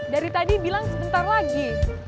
dari tadi bilang sebentar lagi